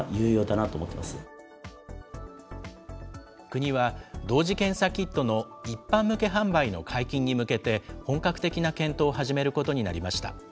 国は同時検査キットの一般向け販売の解禁に向けて、本格的な検討を始めることになりました。